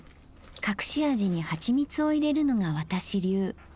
隠し味に蜂蜜を入れるのが私流。